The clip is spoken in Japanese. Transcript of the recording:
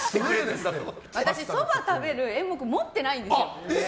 私、そばを食べる演目を持っていないんですよ。